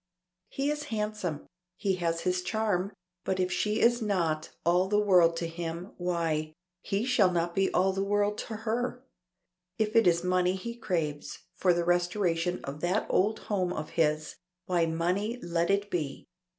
He is handsome, he has his charm, but if she is not all the world to him, why, he shall not be all the world to her. If it is money he craves, for the restoration of that old home of his, why money let it be.